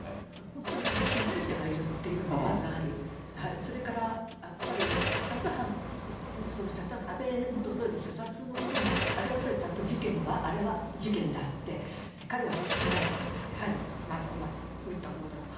本当に被害者がいるっていうのがまずあり、それからやっぱり射殺犯、安倍元総理の射殺のことも、あれはやっぱりちゃんと事件は、あれは事件だと、彼は決して被害者じゃなくて、犯人、撃ったほうだと。